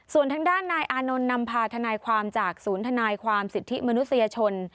ส่วนทางด้านนายอานนท์นำพาทนายความจากศูนย์ทนายความสิทธิมนุษยชน